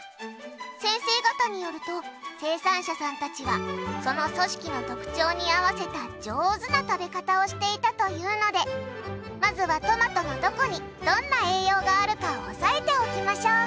先生方によると生産者さんたちはその組織の特徴に合わせた上手な食べ方をしていたというのでまずはトマトのどこにどんな栄養があるかを押さえておきましょう。